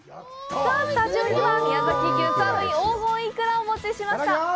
スタジオには、宮崎牛サーロインと黄金イクラをお持ちしました！